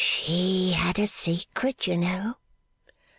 She had a secret, you know.